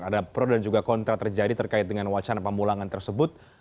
ada pro dan juga kontra terjadi terkait dengan wacana pemulangan tersebut